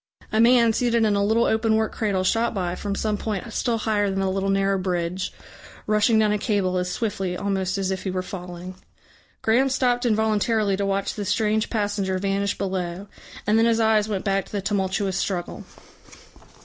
A man seated in a little openwork cradle shot by from some point still higher than the little narrow bridge, rushing down a cable as swiftly almost as if he were falling. Graham stopped involuntarily to watch this strange passenger vanish below, and then his eyes went back to the tumultuous struggle.